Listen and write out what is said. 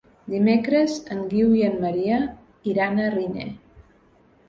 Dimecres en Guiu i en Maria iran a Riner.